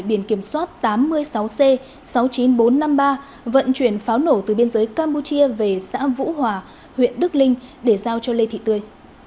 biển kiểm soát tám mươi sáu c sáu mươi chín nghìn bốn trăm năm mươi ba vận chuyển pháo nổ từ biên giới campuchia về xã vũ hòa huyện đức linh để giao cho lê thị tươi